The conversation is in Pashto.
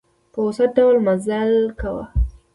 په اوسط ډول مزل کاوه.